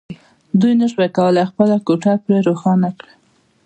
دوی نشوای کولای خپله کوټه پرې روښانه کړي